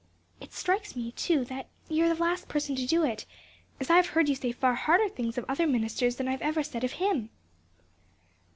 "It strikes me, too, that you are the last person to do it as I have heard you say far harder things of other ministers than ever I've said of him."